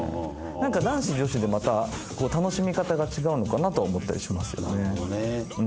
何か男子・女子でまた楽しみ方が違うのかなと思ったりしますね。